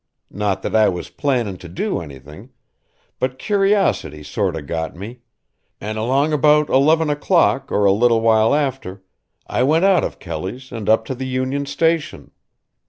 Not that I was plannin' to do anything but curiosity sort of got me, and along about eleven o'clock or a little while after I went out of Kelly's and up to the Union Station.